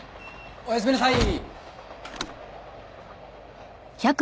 おやすみなさい！